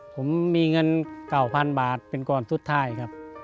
ผมมีเงิน๙๐๐๐บาทเป็นก่อนสุดท้ายครับ